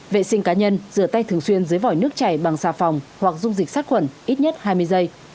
vệ sinh cá nhân rửa tay thường xuyên dưới vỏ nước chảy bằng xà phòng hoặc dung dịch sát khuẩn ít nhất hai mươi giây